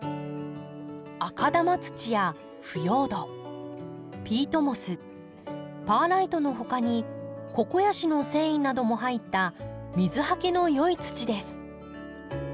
赤玉土や腐葉土ピートモスパーライトの他にココヤシの繊維なども入った水はけの良い土です。